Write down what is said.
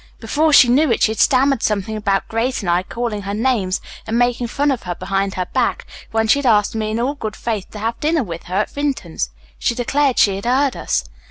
Before she knew it she had stammered something about Grace and I calling her names and making fun of her behind her back when she had asked me in all good faith to have dinner with her at Vinton's. She declared she had heard us.